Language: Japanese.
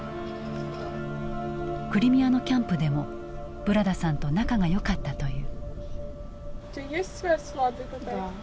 クリミアのキャンプでもブラダさんと仲がよかったという。